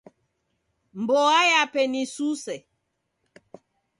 Mboa yape ni suse.